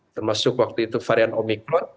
termasuk waktu itu varian omikron